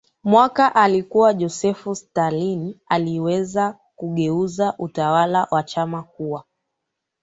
mwaka alikuwa Josef Stalin aliyeweza kugeuza utawala wa chama kuwa